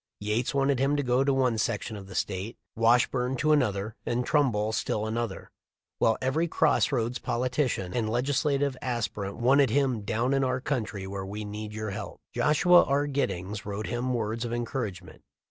Yates wanted him to go to one section of the State, Washburne to another, and Trumbull still another; while every cross roads politician and legislative aspirant wanted him "down in our country, where we need your help." Joshua R. Giddings wrote him words of encouragement.